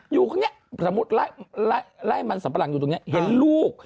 อยู่ข้างนี้สมมุติไล่มันสัมปะหลังอยู่ตรงนี้เห็นลูก